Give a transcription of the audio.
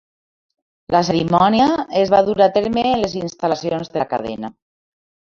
La cerimònia es va dur a terme en les instal·lacions de la cadena.